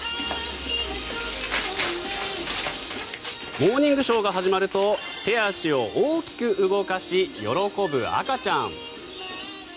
「モーニングショー」が始まると手足を大きく動かし、喜ぶ赤ちゃん。